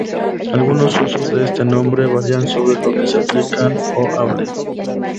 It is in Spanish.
Algunos usos de este nombre, varían sobre lo que se aplican o hable,